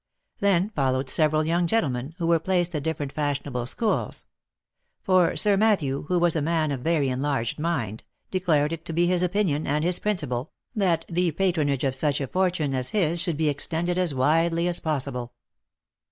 Then followed several young gentlemen, who were placed at different fashionable schools ; for Sir Matthew, who was a man of very enlarged mind, declared it to be his opinion and his principle, that the patronage of such a fortune as his should be extended as widely as possible.